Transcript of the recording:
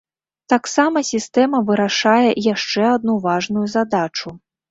Таксама сістэма вырашае яшчэ адну важную задачу.